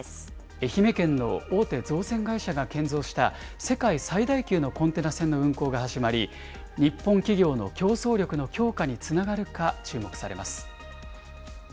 愛媛県の大手造船会社が建造した世界最大級のコンテナ船の運航が始まり、日本企業の競争力の強化につながるか注目されます。